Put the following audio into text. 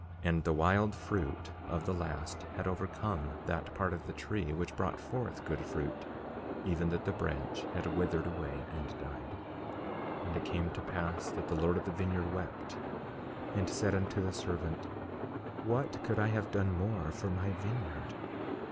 5:40 And the wild fruit of the last had overcome that part of the tree which brought forth good fruit, even that the branch had withered away and died. 5:41 And it came to pass that the Lord of the vineyard wept, and said unto the servant: What could I have done more for my vineyard?